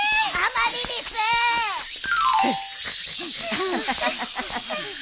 アハハハ。